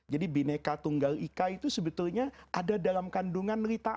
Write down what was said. jadi bineka tunggal ika itu sebetulnya ada dalam kandungan lita'arufu